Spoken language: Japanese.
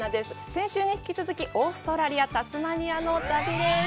先週に引き続き、オーストラリア・タスマニアの旅です。